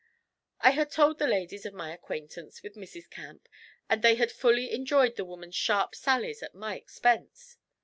I had told the ladies of my acquaintance with Mrs. Camp, and they had fully enjoyed the woman's sharp sallies at my expense.